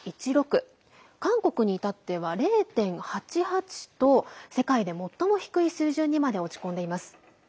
韓国に至っては０．８８と世界で最も低い水準にまで落ち込んでいます。